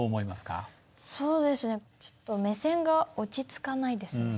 そうですねちょっと目線が落ち着かないですね。